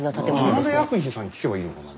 田辺薬品さんに聞けばいいのかな？